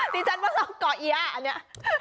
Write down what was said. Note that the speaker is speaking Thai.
ที่ฉันต้องเอาเกาะเยี๊ยะอันเนี้ย